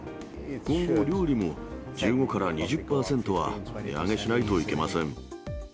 今後、料理も１５から２０％は値上げしないといけません。